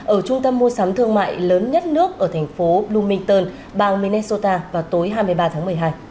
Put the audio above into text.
ở trung tâm mua sắm thương mại lớn nhất nước ở thành phố bloomington bang minnesota vào tối hai mươi ba tháng một mươi hai